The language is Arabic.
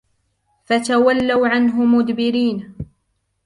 فتولوا عنه مدبرين